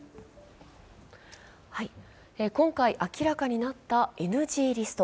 今回、明らかになったＮＧリスト。